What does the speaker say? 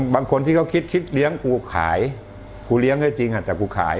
บางคนที่เขาคิดคิดเลี้ยงกูขายกูเลี้ยงให้จริงแต่กูขาย